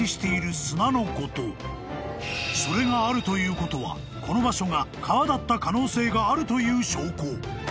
［それがあるということはこの場所が川だった可能性があるという証拠］